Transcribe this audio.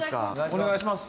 お願いします。